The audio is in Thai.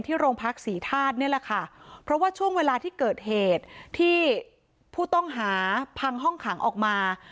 โรงพักศรีธาตุนี่แหละค่ะเพราะว่าช่วงเวลาที่เกิดเหตุที่ผู้ต้องหาพังห้องขังออกมา